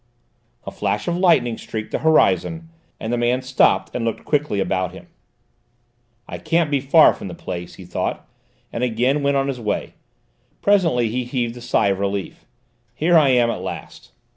A flash of lightning streaked the horizon, and the man stopped and looked quickly about him. "I can't be far from the place," he thought, and again went on his way. Presently he heaved a sigh of relief. "Here I am at last."